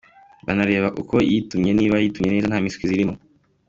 Banareba uko yitumye, niba yitumye neza nta mpiswi zirimo.